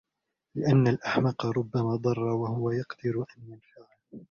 لِأَنَّ الْأَحْمَقَ رُبَّمَا ضَرَّ وَهُوَ يَقْدِرُ أَنْ يَنْفَعَ